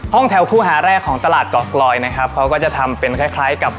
แถวคู่หาแรกของตลาดเกาะกลอยนะครับเขาก็จะทำเป็นคล้ายคล้ายกับ